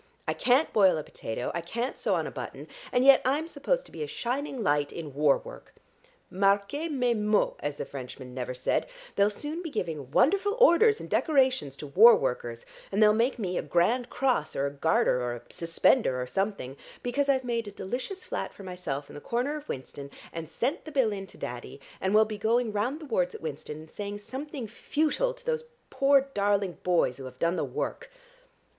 I can't boil a potato, I can't sew on a button, and yet I'm supposed to be a shining light in war work. 'Marquez mes mots,' as the Frenchman never said, they'll soon be giving wonderful orders and decorations to war workers, and they'll make me a Grand Cross or a Garter or a Suspender or something, because I've made a delicious flat for myself in the corner of Winston, and sent the bill in to Daddy, and will be going round the wards at Winston and saying something futile to those poor darling boys who have done the work."